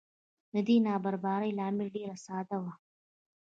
د دې نابرابرۍ لامل ډېر ساده و